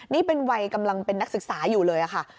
นี่เป็นวัยกำลังเป็นนักศึกษาอยู่เลยค่ะ